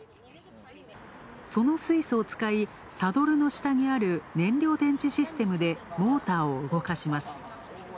その水素を使い、下にある燃料電池システムでモーターを動かします。